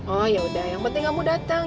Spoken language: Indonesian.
oh yaudah yang penting kamu datang